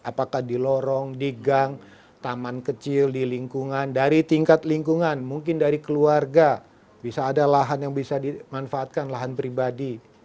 apakah di lorong di gang taman kecil di lingkungan dari tingkat lingkungan mungkin dari keluarga bisa ada lahan yang bisa dimanfaatkan lahan pribadi